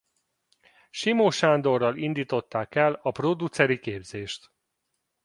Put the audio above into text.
Simó Sándorral indították el a produceri képzést.